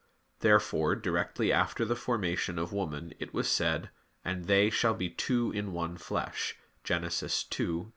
Therefore directly after the formation of woman, it was said: "And they shall be two in one flesh" (Gen. 2:24).